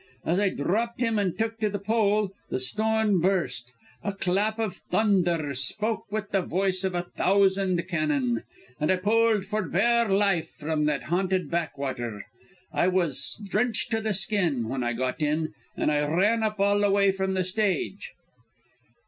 As I dropped him and took to the pole, the storm burst. A clap of thunder spoke with the voice of a thousand cannon, and I poled for bare life from that haunted backwater. I was drenched to the skin when I got in, and I ran up all the way from the stage."